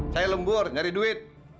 saya lembur nyari duit